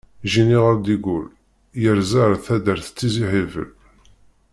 Jiniral de Gaulle yerza ar taddart Tizi Hibel.